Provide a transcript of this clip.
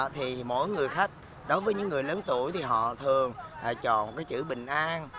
thì mỗi người khách đối với những người lớn tuổi thì họ thường chọn cái chữ bình an